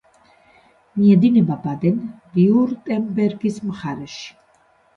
მიედინება ბადენ-ვიურტემბერგის მხარეში.